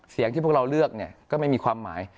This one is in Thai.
เสียงที่พวกเราเลือกก็ไม่มีความหมาย